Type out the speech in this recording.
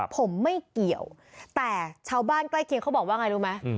ผมไม่เกี่ยวแต่ชาวบ้านใกล้เคียงเขาบอกว่าไงรู้ไหม